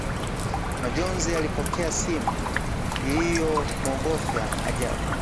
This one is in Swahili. Majonzi alipokea simu iliyomwogofya ajabu